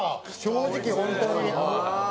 正直本当にねえ。